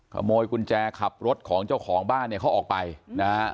ขโมยกุญแจขับรถของเจ้าของบ้านเนี่ยเขาออกไปนะฮะ